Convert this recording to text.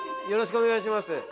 よろしくお願いします。